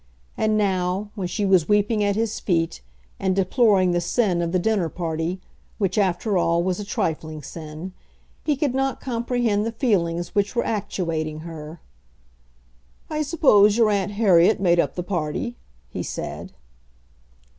And now, when she was weeping at his feet and deploring the sin of the dinner party, which, after all, was a trifling sin, he could not comprehend the feelings which were actuating her. "I suppose your aunt Harriet made up the party," he said.